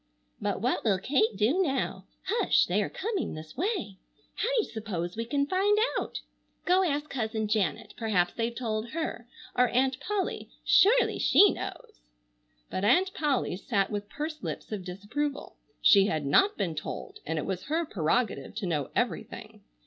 But what will Kate do now? Hush! They are coming this way. How do you suppose we can find out? Go ask Cousin Janet, perhaps they've told her, or Aunt Polly. Surely she knows. But Aunt Polly sat with pursed lips of disapproval. She had not been told, and it was her prerogative to know everything.